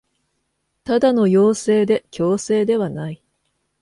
ただの要請で強制ではない